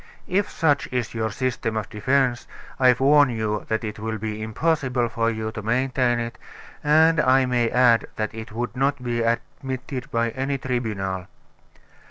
If such is your system of defense, I warn you that it will be impossible for you to maintain it, and I may add that it would not be admitted by any tribunal."